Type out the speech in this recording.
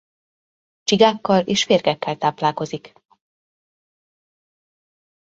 Csigákkal és férgekkel táplálkozik.